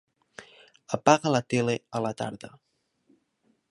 Apaga la tele a la tarda.